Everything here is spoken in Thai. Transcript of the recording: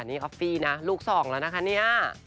นี่อฟฟี่เนี่ยลูกสองละค่ะเนี่ย